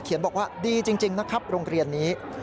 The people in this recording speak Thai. บอกว่าดีจริงนะครับโรงเรียนนี้